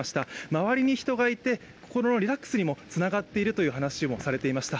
周りに人がいて、心のリラックスにもつながっているという話もされていました。